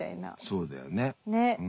そうだよね。